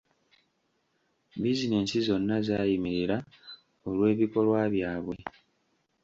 Bizinensi zonna zaayimirira olw'ebikolwa byabwe.